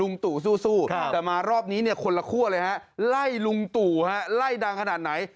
ตู่สู้แต่มารอบนี้เนี่ยคนละครัวเลยฮะไล่ลุงตู่ฮะไล่ดังขนาดไหน